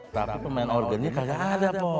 tapi pemain organik aja ada po